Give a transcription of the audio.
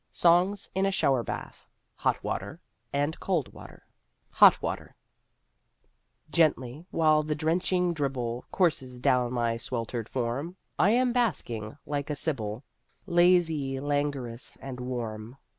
SONGS IN A SHOWER BATH HOT WATER Gently, while the drenching dribble Courses down my sweltered form, I am basking like a sybil, Lazy, languorous and warm.